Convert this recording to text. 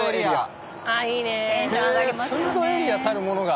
フードエリアたるものが。